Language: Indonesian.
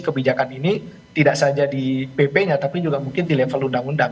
kebijakan ini tidak saja di pp nya tapi juga mungkin di level undang undang